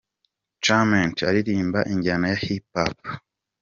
Charmant aririmba injyana ya Hip Hop.